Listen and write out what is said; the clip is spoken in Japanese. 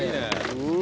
うわ！